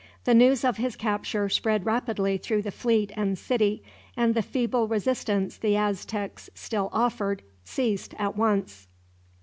The news of his capture spread rapidly through the fleet and city, and the feeble resistance the Aztecs still offered ceased at once.